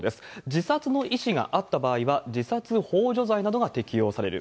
自殺の意思があった場合は、自殺ほう助罪などが適用される。